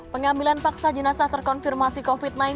pengambilan paksa jenazah terkonfirmasi covid sembilan belas